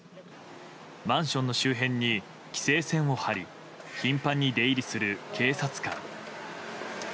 マンションの周辺に規制線を張り頻繁に出入りする警察官。